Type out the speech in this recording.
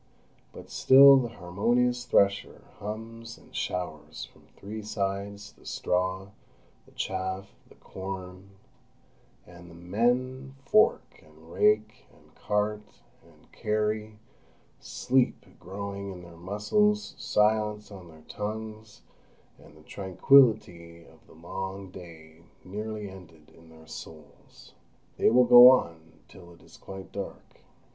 But still the harmonious thresher hums and showers from three sides the straw, the chaff, the corn; and the men fork, and rake, and cart, and carry, sleep growing in their muscles, silence on their tongues, and the tranquillity of the long day nearly ended in their souls. They will go on till it is quite dark.